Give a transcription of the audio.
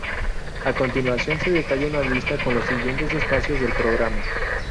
A continuación se detalla una lista con los siguientes espacios del programa.